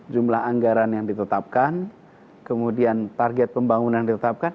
jumlah anggaran yang ditetapkan kemudian target pembangunan ditetapkan